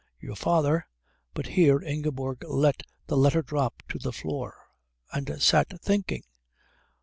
Your father_ " But here Ingeborg let the letter drop to the floor and sat thinking.